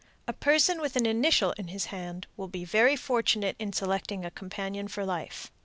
A person with an initial in his hand will be very fortunate in selecting a companion for life.